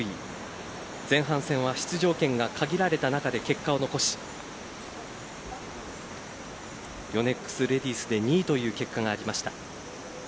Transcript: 前半戦は出場権が限られた中で結果を残しヨネックスレディスで２位という結果がありました。